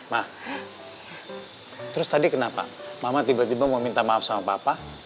nah terus tadi kenapa mama tiba tiba mau minta maaf sama papa